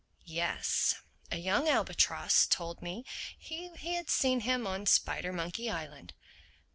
"Yes. A young albatross told me he had seen him on Spidermonkey Island?"